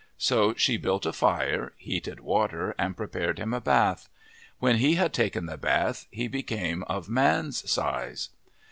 So she built a fire, heated water, and prepared him a bath. When he had taken the bath he became of man's size.